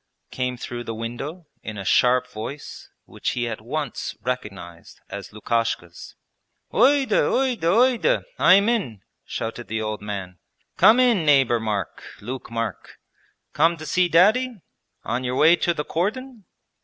came through the window in a sharp voice, which he at once recognized as Lukashka's. 'Uyde, Uyde, Uyde. I am in!' shouted the old man. 'Come in, neighbour Mark, Luke Mark. Come to see Daddy? On your way to the cordon?'